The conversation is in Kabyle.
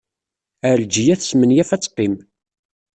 Ɛelǧiya tesmenyaf ad teqqim.